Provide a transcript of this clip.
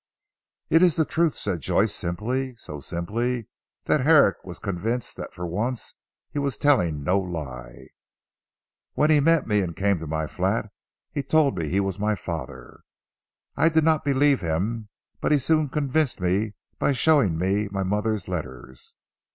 "It is the truth," said Joyce simply, so simply that Herrick was convinced that for once he was telling no lie. "When he met me and came to my flat, he told me he was my father. I did not believe him, but he soon convinced me by showing me my mother's letters.